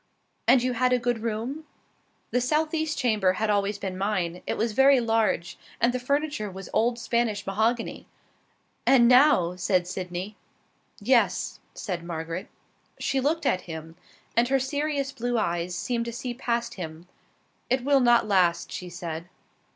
"And you had a good room?" "The southeast chamber had always been mine. It was very large, and the furniture was old Spanish mahogany." "And now " said Sydney. "Yes," said Margaret. She looked at him, and her serious blue eyes seemed to see past him. "It will not last," she said.